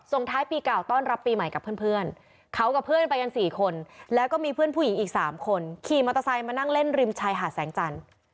ท้ายปีเก่าต้อนรับปีใหม่กับเพื่อนเขากับเพื่อนไปกัน๔คนแล้วก็มีเพื่อนผู้หญิงอีก๓คนขี่มอเตอร์ไซค์มานั่งเล่นริมชายหาดแสงจันทร์